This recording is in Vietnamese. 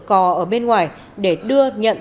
cò ở bên ngoài để đưa nhận